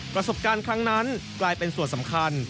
ประสบการณ์ครั้งนั้นกลายเป็นส่วนสำคัญ